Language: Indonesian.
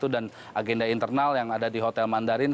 dan agenda internal yang ada di hotel mandarin